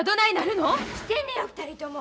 何してんねや２人とも。